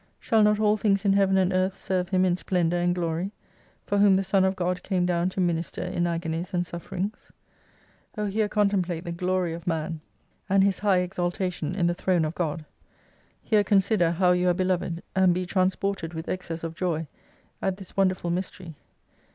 Shall not all things in Heaven and Earth serve him in splendour and glory, for whom the Son of God came down to minister in agonies and sufferings ? O here contem plate the glory of man, and his high exaltation in the Throne of God. Here consider how you are beloved, and be transported with excess of joy at this wonderful mystery.